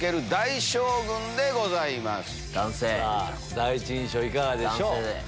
第一印象いかがでしょう？